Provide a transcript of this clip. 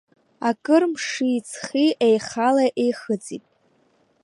Акыр мши-ҵхи еихала-еихыҵит.